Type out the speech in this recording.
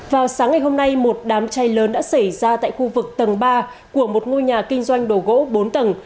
vào sáng ngày hôm nay một đám cháy lớn đã xảy ra tại khu vực tầng ba của một ngôi nhà kinh doanh đồ gỗ bốn tầng